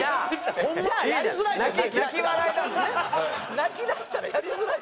泣きだしたらやりづらい。